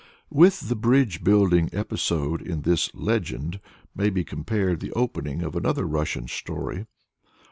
With the bridge building episode in this "legend" may be compared the opening of another Russian story.